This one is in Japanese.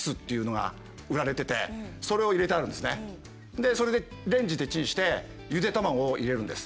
でそれでレンジでチンしてゆで卵を入れるんです。